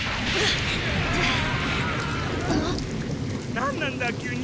なんなんだ急に。